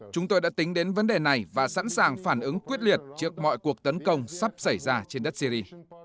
chúng tôi đã tính đến vấn đề này và sẵn sàng phản ứng quyết liệt trước mọi cuộc tấn công sắp xảy ra trên đất syri